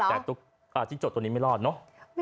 แต่ตุ๊กอาทิตย์จดตัวนี้ไม่รอดเนาะ